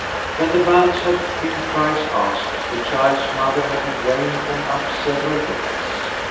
When the banns had been thrice asked, the child's mother had been well and up several days.